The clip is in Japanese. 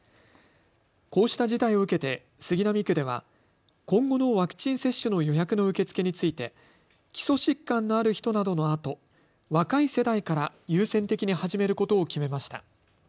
こうした事態を受けて杉並区では今後のワクチン接種の予約の受け付けについて基礎疾患のある人などのあと若い世代から優先的に始めることを決めました。